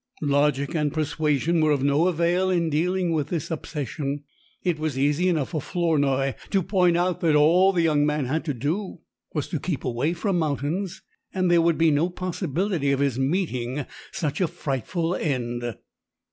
Logic and persuasion were of no avail in dealing with this obsession. It was easy enough for Flournoy to point out that all the young man had to do was to keep away from mountains, and there would be no possibility of his meeting such a frightful end.